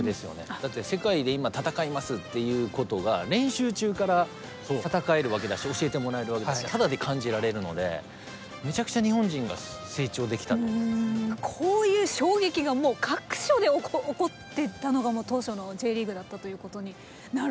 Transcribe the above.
だって世界で今戦いますっていうことが練習中から戦えるわけだし教えてもらえるわけだし肌で感じられるのでこういう衝撃が各所で起こってたのが当初のＪリーグだったということになるわけですよね。